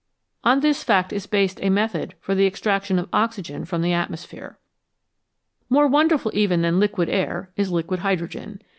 On this fact is based a method for the extraction of oxygen from the atmosphere. More wonderful even than liquid air is liquid hydrogen.